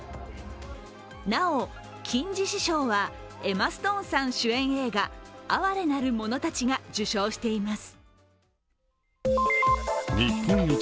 なお、金獅子賞はエマ・ストーンさん主演映画「哀れなるものたち」が受賞しています。